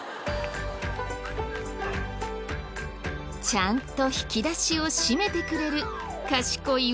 ちゃんと引き出しを閉めてくれる賢い